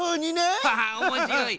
ハハッおもしろい！